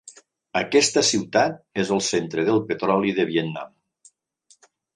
Aquesta ciutat és el centre del petroli del Vietnam.